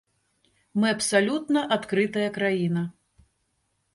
Мы абсалютна адкрытая краіна.